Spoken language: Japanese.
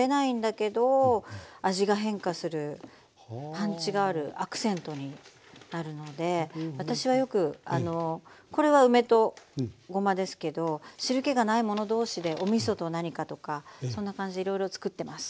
パンチがあるアクセントになるので私はよくこれは梅とごまですけど汁けがないもの同士でおみそと何かとかそんな感じでいろいろつくってます。